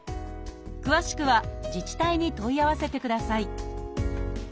詳しくは自治体に問い合わせてください